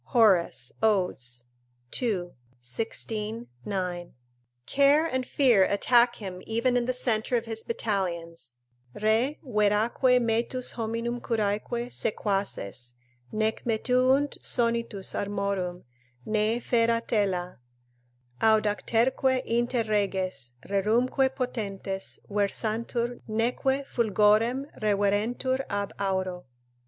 Horace, Od., ii. 16, 9.] Care and fear attack him even in the centre of his battalions: "Re veraque metus hominum curaeque sequaces Nec metuunt sonitus armorum, nee fera tela; Audacterque inter reges, rerumque potentes Versantur, neque fulgorem reverentur ab auro."